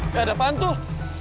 gak ada apaan tuh